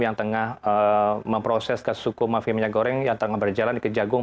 yang tengah memproses kasus hukum mafia minyak goreng yang tengah berjalan di kejagung